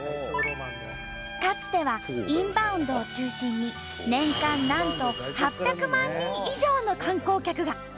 かつてはインバウンドを中心に年間なんと８００万人以上の観光客が。